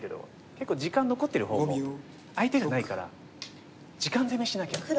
結構時間残ってる方も相手がないから時間攻めしなきゃいけない。